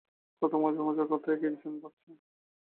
কত মজার মজার কথা একেক জন ভাবছে।